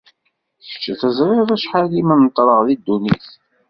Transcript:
Kečč teẓriḍ acḥal i mmenṭreɣ di ddunit.